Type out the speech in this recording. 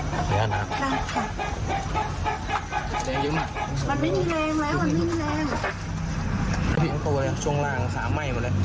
มันไม่มีแรงมันไม่มีแรง